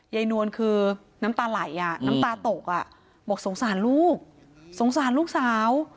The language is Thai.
นวลคือน้ำตาไหลอ่ะน้ำตาตกบอกสงสารลูกสงสารลูกสาว